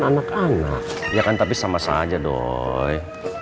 anak anak ya kan tapi sama saja dong